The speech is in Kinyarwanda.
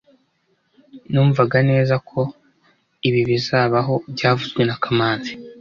Numvaga neza ko ibi bizabaho byavuzwe na kamanzi